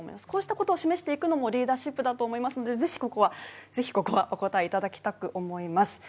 こうしたことを示していくのもリーダーシップだと思いますのでぜひここはお答えいただきたく思います